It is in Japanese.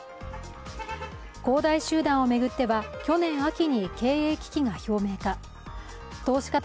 恒大集団を巡っては、去年秋に経営危機が表面化。